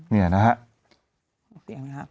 เนี่ยนะฮะ